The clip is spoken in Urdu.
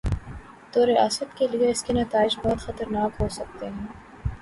توریاست کے لیے اس کے نتائج بہت خطرناک ہو سکتے ہیں۔